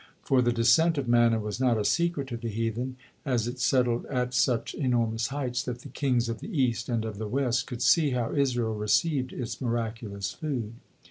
For the descent of manna was not a secret to the heathen, as it settled at such enormous heights that the kings of the East and of the West could see how Israel received its miraculous food.